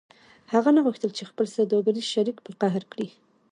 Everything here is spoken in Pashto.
هغه نه غوښتل چې خپل سوداګریز شریک په قهر کړي